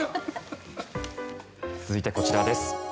続いて、こちらです。